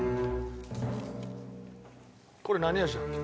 これ何味だっけ？